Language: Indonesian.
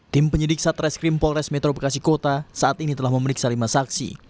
tim penyidik satreskrim polres metro bekasi kota saat ini telah memeriksa lima saksi